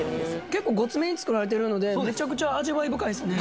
結構ゴツめに作られてるのでめちゃくちゃ味わい深いですね